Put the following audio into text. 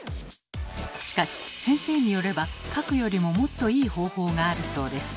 しかし先生によれば「かく」よりももっといい方法があるそうです。